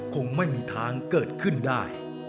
คงไม่มีทางเกิดขึ้นได้